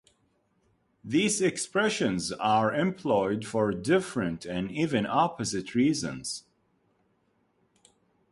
These expressions are employed for different and even opposite reasons.